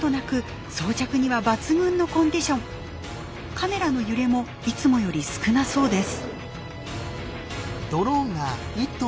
カメラの揺れもいつもより少なそうです。